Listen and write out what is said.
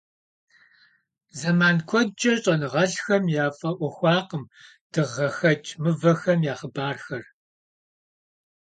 Зэман куэдкӀэ щӀэныгъэлӀхэм яфӀэӀуэхуакъым дыгъэхэкӀ мывэхэм я хъыбархэр.